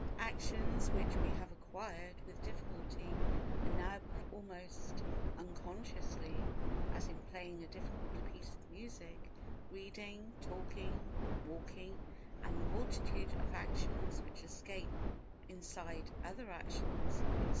Actions which we have acquired with difficulty and now perform almost unconsciously—as in playing a difficult piece of music, reading, talking, walking and the multitude of actions which escape our notice inside other actions, etc.